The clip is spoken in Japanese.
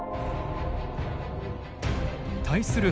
対する